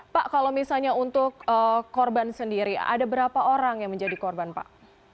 pak kalau misalnya untuk korban sendiri ada berapa orang yang menjadi korban pak